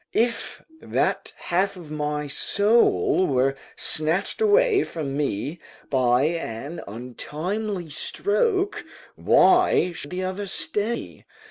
["If that half of my soul were snatch away from me by an untimely stroke, why should the other stay?